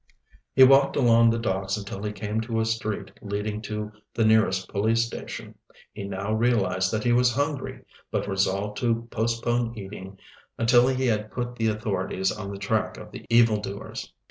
He walked along the docks until he came to a street leading to the nearest police station. He now realized that he was hungry, but resolved to postpone eating until he had put the authorities on the track of the evildoers.